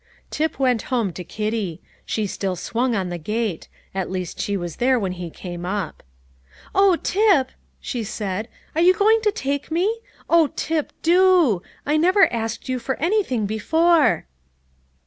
Tip went home to Kitty. She still swung on the gate; at least she was there when he came up. "Oh, Tip," she said, "are you going to take me? Oh, Tip, do! I never asked you for anything before."